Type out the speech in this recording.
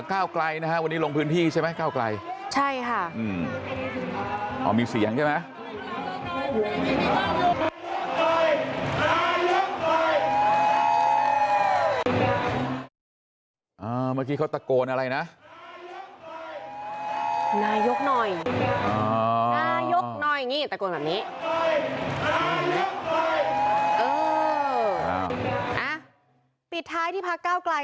ก้าวไกลนะฮะวันนี้ลงพื้นที่ใช่ไหมก้าวไกลใช่ค่ะ